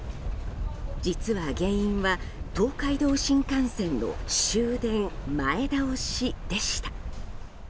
実は原因は東海道新幹線の終電前倒しでした。